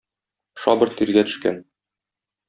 Шабыр тиргә төшкән